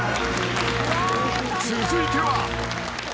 ［続いては］